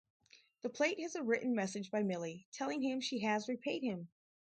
The plate has a written message by Milly, telling him she has repaid him.